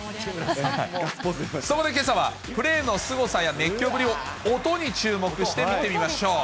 そこでけさは、プレーのすごさや熱狂ぶりを音に注目して見てみましょう。